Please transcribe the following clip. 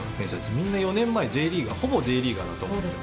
みんな４年前ＪリーガーほぼＪリーガーだと思うんですよ。